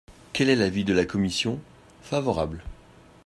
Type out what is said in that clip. Quel est l’avis de la commission ? Favorable.